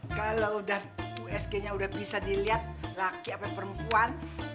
kalau udah usg nya udah bisa dilihat laki atau perempuan